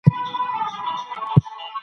نوی نظام به پخواني دولتونه هیر کړي وي.